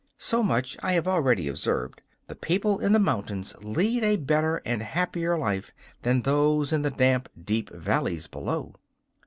So much I have already observed: the people in the mountains lead a better and happier life than those in the damp, deep valleys below.